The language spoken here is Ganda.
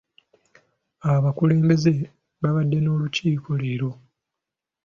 Abakulembeze babadde n'olukiiko leero.